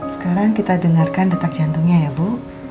sekarang kita dengarkan detak jantungnya ya bu